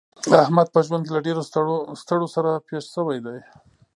احمد په ژوند کې له ډېرو ستړو سره پېښ شوی دی.